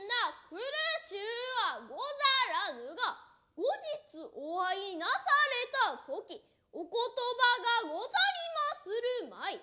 うはござらぬが後日お会いなされた時お言葉がござりまするまい。